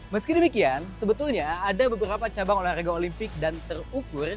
meski demikian sebetulnya ada beberapa cabang olahraga olimpik dan terukur